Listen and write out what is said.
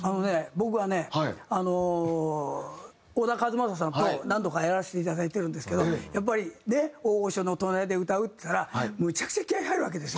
僕はねあの小田和正さんと何度かやらせていただいてるんですけどやっぱりね大御所の隣で歌うっていったらむちゃくちゃ気合入るわけですよ。